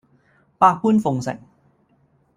百般奉承